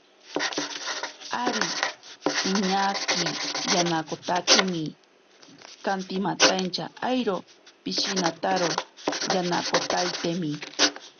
Ari piñaki yanakotaitemi, kantsimaintacha airo pishinitaro yanakotaitemi.